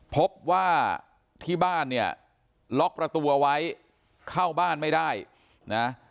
พบว่าที่บ้านเนี่ยล็อกประตูเอาไว้เข้าบ้านไม่ได้นะ